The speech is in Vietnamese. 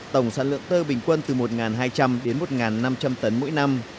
tổng sản lượng tơ bình quân từ một hai trăm linh đến một năm trăm linh tấn mỗi năm